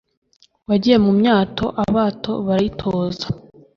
Wagiye mu myato abato barayitoza